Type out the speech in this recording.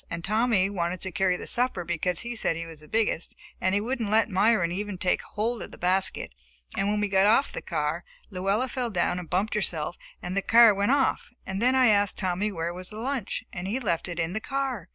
And Tommy wanted to carry the supper because he said he was the biggest, and he wouldn't let Myron even take hold of the basket. And when we got off the car Luella fell down and bumped herself, and the car went off, and then I asked Tommy where was the lunch, and he had left it on the car!